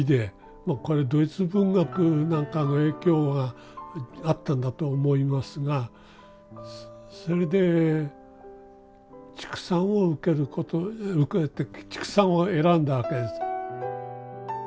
まあこれドイツ文学なんかの影響があったんだと思いますがそれで畜産を受けて畜産を選んだわけです。